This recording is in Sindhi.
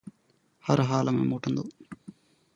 هر حال ۾ موٽندو.